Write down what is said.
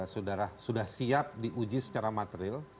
saudara sudah siap diuji secara material